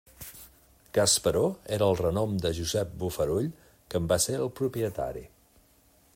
Gasparó era el renom de Josep Bofarull, que en va ser el propietari.